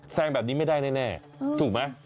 แซงแบบนี้ไม่ได้แน่ถูกไหม